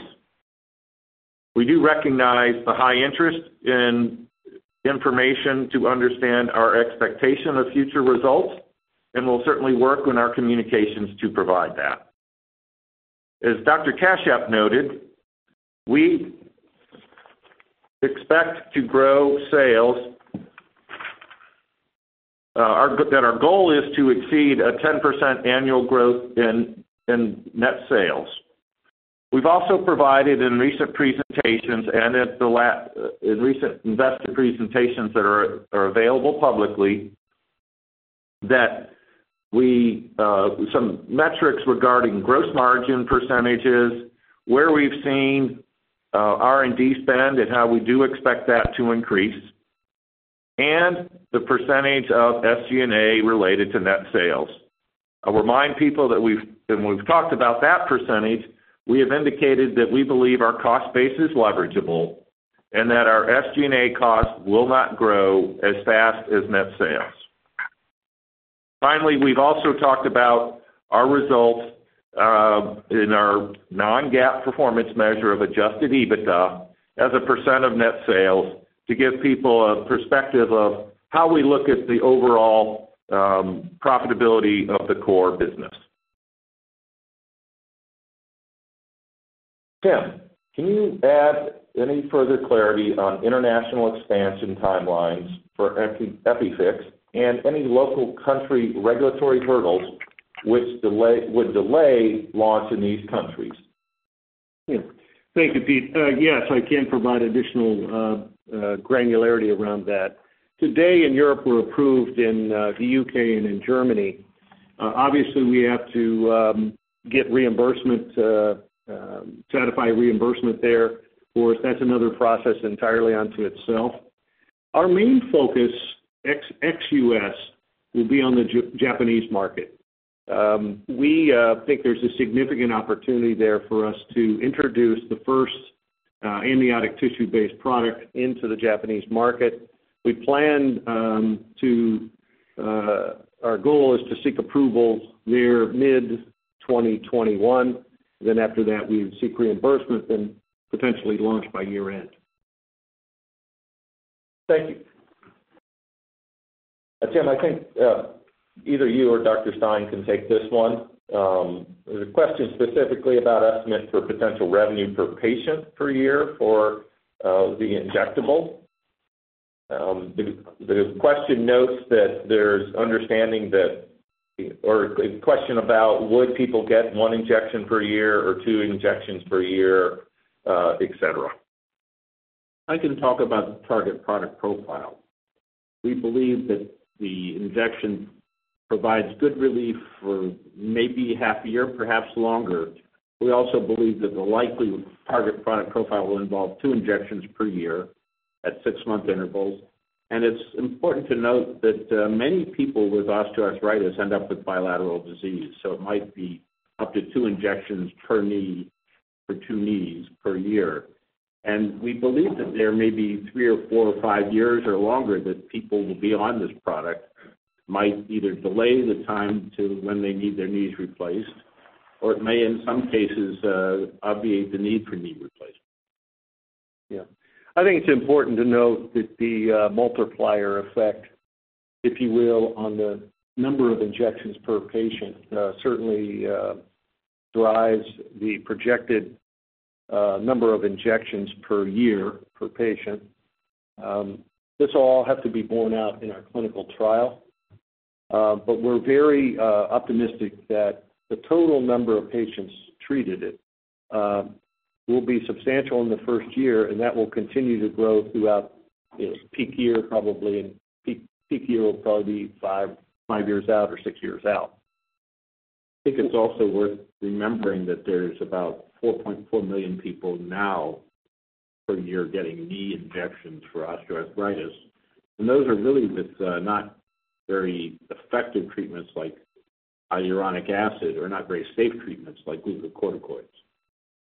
We do recognize the high interest in information to understand our expectation of future results, and we'll certainly work on our communications to provide that. As Dr. Kashyap noted, we expect to grow sales. Our goal is to exceed a 10% annual growth in net sales. We've also provided in recent presentations and in recent investor presentations that are available publicly, some metrics regarding gross margin percentages, where we've seen R&D spend, and how we do expect that to increase, and the percentage of SG&A related to net sales. I'll remind people that when we've talked about that %, we have indicated that we believe our cost base is leverageable and that our SG&A costs will not grow as fast as net sales. We've also talked about our results in our non-GAAP performance measure of Adjusted EBITDA as a % of net sales to give people a perspective of how we look at the overall profitability of the core business. Tim, can you add any further clarity on international expansion timelines for EPIFIX and any local country regulatory hurdles which would delay launch in these countries? Yeah. Thank you, Pete. Yes, I can provide additional granularity around that. Today in Europe, we're approved in the U.K. and in Germany. Obviously, we have to satisfy reimbursement there for us. That's another process entirely unto itself. Our main focus ex U.S. will be on the Japanese market. We think there's a significant opportunity there for us to introduce the first amniotic tissue-based product into the Japanese market. Our goal is to seek approval near mid-2021. After that, we would seek reimbursement, then potentially launch by year-end. Thank you. Tim, I think either you or Dr. Stein can take this one. There's a question specifically about estimate for potential revenue per patient per year for the injectable. The question notes that there's understanding that-- or a question about would people get one injection per year or two injections per year, et cetera. I can talk about the target product profile. We believe that the injection provides good relief for maybe half a year, perhaps longer. We also believe that the likely target product profile will involve two injections per year at six-month intervals. It's important to note that many people with osteoarthritis end up with bilateral disease. It might be up to two injections per knee for two knees per year. We believe that there may be three or four or five years or longer that people will be on this product, might either delay the time to when they need their knees replaced, or it may, in some cases, obviate the need for knee replacement. Yeah. I think it's important to note that the multiplier effect, if you will, on the number of injections per patient certainly drives the projected number of injections per year per patient. This will all have to be borne out in our clinical trial. We're very optimistic that the total number of patients treated will be substantial in the first year, and that will continue to grow throughout its peak year, probably, and peak year will probably be five years out or six years out. I think it's also worth remembering that there's about 4.4 million people now per year getting knee injections for osteoarthritis, and those are really with not very effective treatments like hyaluronic acid or not very safe treatments like glucocorticoids.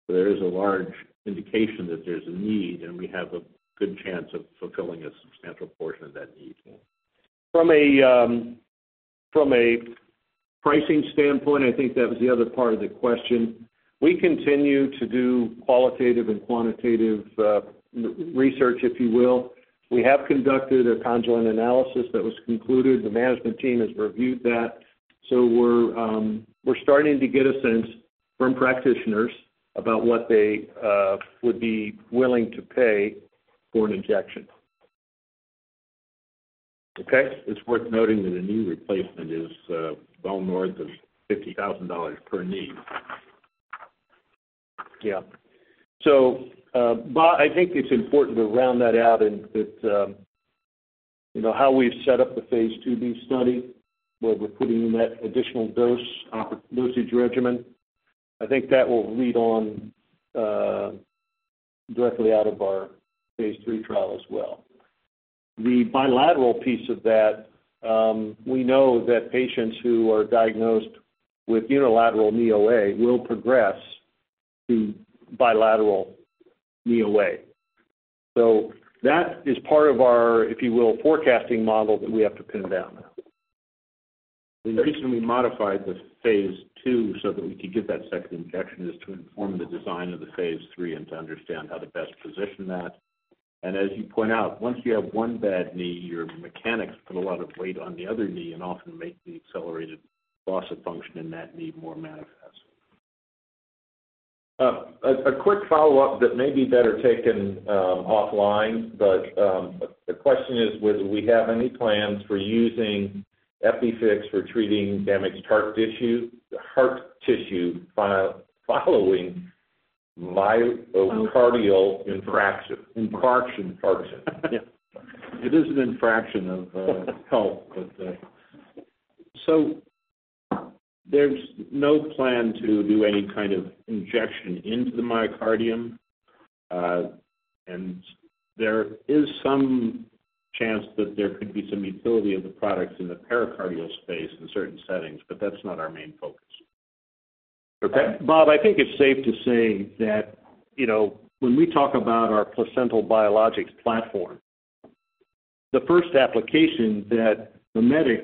There is a large indication that there's a need, and we have a good chance of fulfilling a substantial portion of that need. From a pricing standpoint, I think that was the other part of the question. We continue to do qualitative and quantitative research, if you will. We have conducted a conjoint analysis that was concluded. The management team has reviewed that. We're starting to get a sense from practitioners about what they would be willing to pay for an injection. Okay. It's worth noting that a knee replacement is well north of $50,000 per knee. Bob, I think it's important to round that out and that how we've set up the phase IIb study, where we're putting in that additional dosage regimen, I think that will lead on directly out of our phase III trial as well. The bilateral piece of that, we know that patients who are diagnosed with unilateral knee OA will progress to bilateral knee OA. That is part of our, if you will, forecasting model that we have to pin down now. The reason we modified the phase II so that we could give that second injection is to inform the design of the phase III and to understand how to best position that. As you point out, once you have one bad knee, your mechanics put a lot of weight on the other knee and often make the accelerated loss of function in that knee more manifest. A quick follow-up that may be better taken offline, but the question is whether we have any plans for using EPIFIX for treating damaged heart tissue following myocardial infarction. It is an infraction of health. There's no plan to do any kind of injection into the myocardium. There is some chance that there could be some utility of the products in the pericardial space in certain settings, but that's not our main focus. Okay. Bob, I think it's safe to say that when we talk about our placental biologics platform, the first application that MiMedx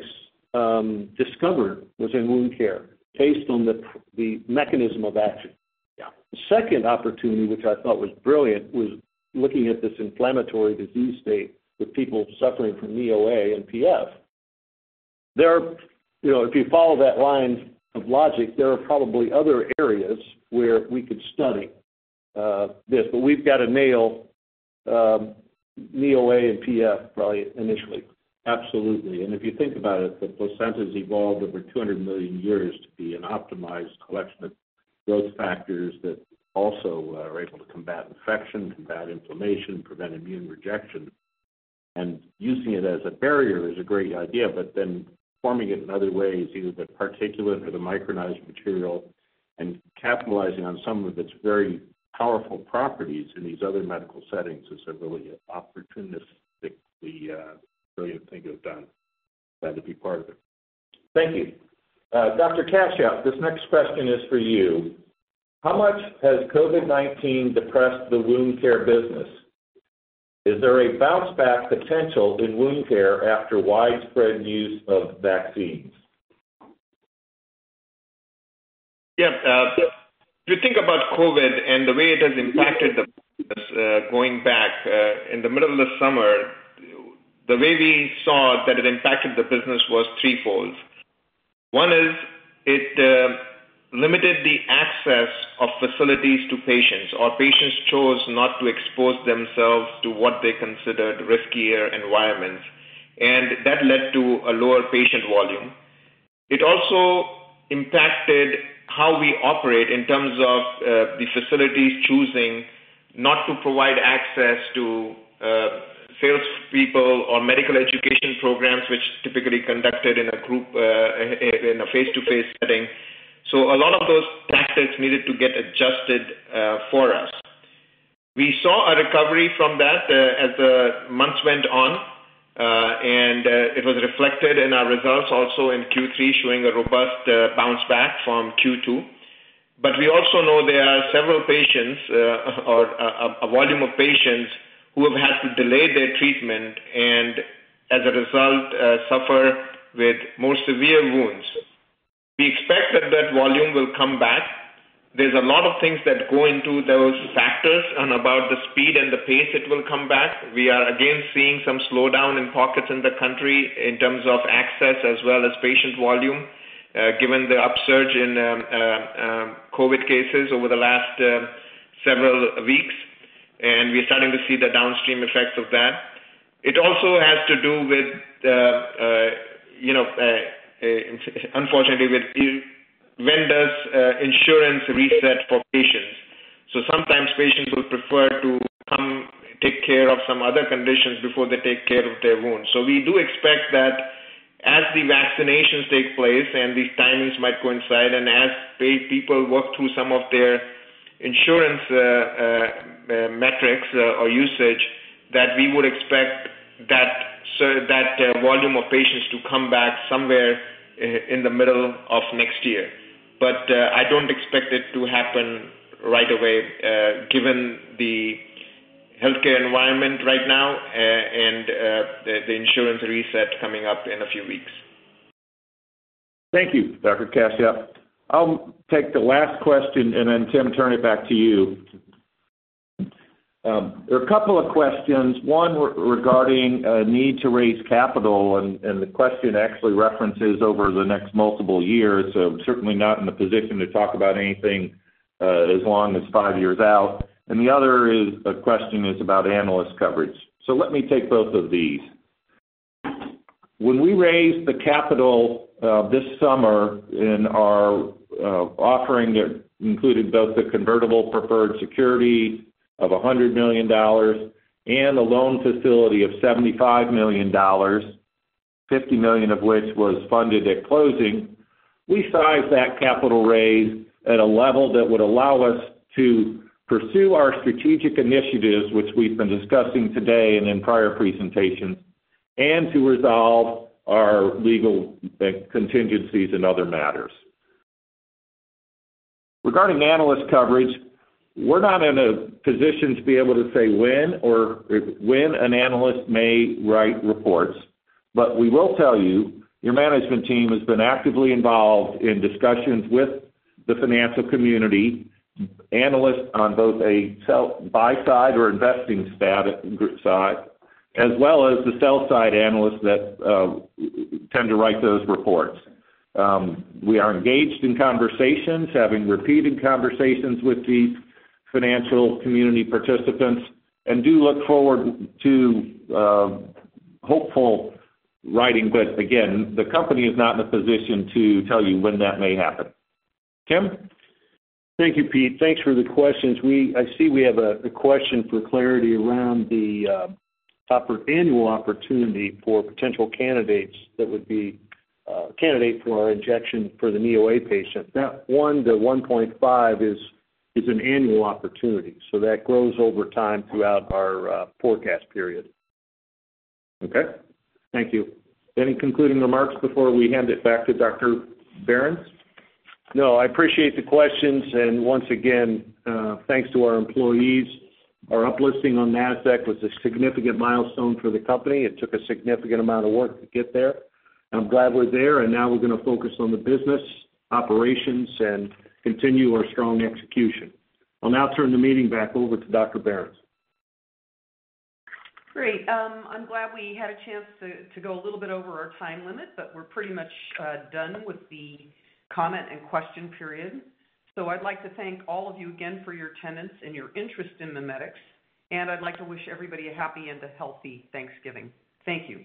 discovered was in wound care based on the mechanism of action. Yeah. The second opportunity, which I thought was brilliant, was looking at this inflammatory disease state with people suffering from knee OA and PF. If you follow that line of logic, there are probably other areas where we could study this, but we've got to nail knee OA and PF probably initially. Absolutely. If you think about it, the placenta's evolved over 200 million years to be an optimized collection of growth factors that also are able to combat infection, combat inflammation, prevent immune rejection. Using it as a barrier is a great idea, but then forming it in other ways, either the particulate or the micronized material and capitalizing on some of its very powerful properties in these other medical settings is a really opportunistically brilliant thing to have done. Glad to be part of it. Thank you. Dr. Kashyap, this next question is for you. How much has COVID-19 depressed the wound care business? Is there a bounce back potential in wound care after widespread use of vaccines? Yeah. If you think about COVID and the way it has impacted the business going back in the middle of the summer, the way we saw that it impacted the business was threefold. One is it limited the access of facilities to patients, or patients chose not to expose themselves to what they considered riskier environments, and that led to a lower patient volume. It also impacted how we operate in terms of the facilities choosing not to provide access to salespeople or medical education programs, which typically conducted in a face-to-face setting. A lot of those tactics needed to get adjusted for us. We saw a recovery from that as the months went on. It was reflected in our results also in Q3 showing a robust bounce back from Q2. We also know there are several patients or a volume of patients who have had to delay their treatment and as a result suffer with more severe wounds. We expect that volume will come back. There's a lot of things that go into those factors and about the speed and the pace it will come back. We are again seeing some slowdown in pockets in the country in terms of access as well as patient volume given the upsurge in COVID-19 cases over the last several weeks, and we are starting to see the downstream effects of that. It also has to do with unfortunately with vendors insurance reset for patients. Sometimes patients would prefer to come take care of some other conditions before they take care of their wounds. We do expect that as the vaccinations take place and these timings might coincide and as paid people work through some of their insurance metrics or usage, that we would expect that volume of patients to come back somewhere in the middle of next year. I don't expect it to happen right away given the healthcare environment right now and the insurance reset coming up in a few weeks. Thank you, Dr. Kashyap. I'll take the last question and then Tim turn it back to you. There are a couple of questions. One regarding a need to raise capital and the question actually references over the next multiple years. Certainly not in the position to talk about anything as long as five years out. The other question is about analyst coverage. Let me take both of these. When we raised the capital this summer in our offering that included both the convertible preferred security of $100 million and a loan facility of $75 million, $50 million of which was funded at closing. We sized that capital raise at a level that would allow us to pursue our strategic initiatives, which we've been discussing today and in prior presentations, and to resolve our legal contingencies and other matters. Regarding analyst coverage, we're not in a position to be able to say when an analyst may write reports, but we will tell you, your management team has been actively involved in discussions with the financial community, analysts on both a buy side or investing side, as well as the sell side analysts that tend to write those reports. We are engaged in conversations, having repeated conversations with these financial community participants, and do look forward to hopeful writing. Again, the company is not in a position to tell you when that may happen. Tim? Thank you, Pete. Thanks for the questions. I see we have a question for clarity around the annual opportunity for potential candidates that would be a candidate for our injection for the knee OA patient. That 1-1.5 is an annual opportunity, that grows over time throughout our forecast period. Okay. Thank you. Any concluding remarks before we hand it back to Dr. Behrens? No, I appreciate the questions. Once again, thanks to our employees. Our uplisting on Nasdaq was a significant milestone for the company. It took a significant amount of work to get there, and I'm glad we're there, and now we're going to focus on the business operations and continue our strong execution. I'll now turn the meeting back over to Dr. Behrens. Great. I'm glad we had a chance to go a little bit over our time limit, but we're pretty much done with the comment and question period. I'd like to thank all of you again for your attendance and your interest in MiMedx, and I'd like to wish everybody a happy and a healthy Thanksgiving. Thank you.